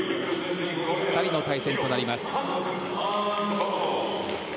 ２人の対戦となります。